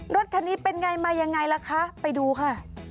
รถคันนี้เป็นไงมายังไงล่ะคะไปดูค่ะ